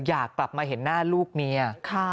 อยากกลับมาเห็นหน้าลูกเมีย